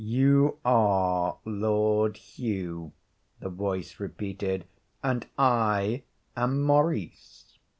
'You are Lord Hugh,' the voice repeated, 'and I am Maurice.